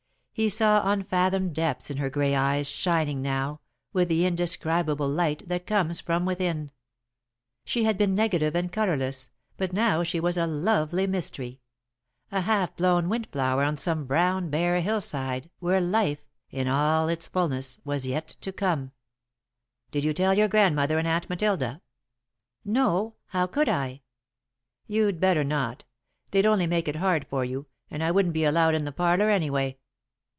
He saw unfathomed depths in her grey eyes, shining now, with the indescribable light that comes from within. She had been negative and colourless, but now she was a lovely mystery a half blown windflower on some brown, bare hillside, where Life, in all its fulness, was yet to come. [Sidenote: What Will They Say?] "Did you tell your Grandmother and Aunt Matilda?" "No. How could I?" "You'd better not. They'd only make it hard for you, and I wouldn't be allowed in the parlour anyway."